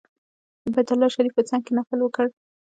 د بیت الله شریف په څنګ کې نفل وکړ.